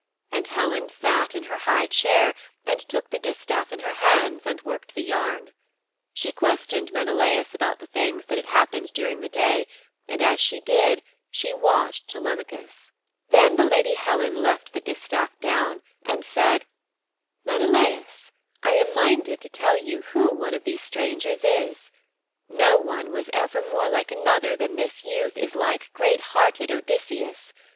And Helen sat in her high chair and took the distaff in her hands and worked the yarn. She questioned Menelaus about the things that had happened during the day, and as she did she watched Telemachus. Then the lady Helen left the distaff down and said, 'Menelaus, I am minded to tell you who one of these strangers is. No one was ever more like another than this youth is like great hearted Odysseus.